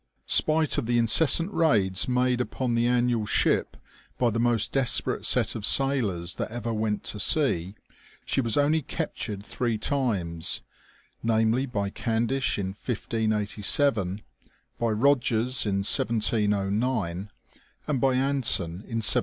Spite of the incessant raids made upon the annual ship by the most desperate set of sailors that ever went to sea, she was only captured three times, namely, by Candish in 1587, by Eogers in 1709, and by Anson in 1742.